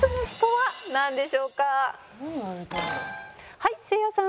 はいせいやさん。